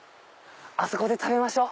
あそこで食べましょう。